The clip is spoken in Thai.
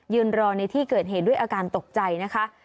รอในที่เกิดเหตุด้วยอาการตกใจนะคะ